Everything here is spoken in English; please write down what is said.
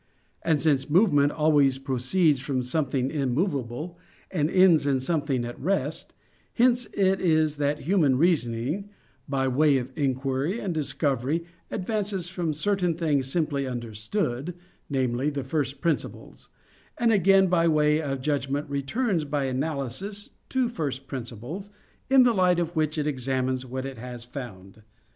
And since movement always proceeds from something immovable, and ends in something at rest; hence it is that human reasoning, by way of inquiry and discovery, advances from certain things simply understood namely, the first principles; and, again, by way of judgment returns by analysis to first principles, in the light of which it examines what it has found.